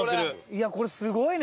いやこれすごいね。